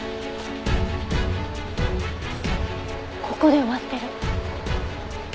ここで終わってる。